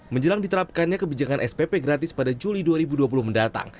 menjelang diterapkannya kebijakan spp gratis pada juli dua ribu dua puluh mendatang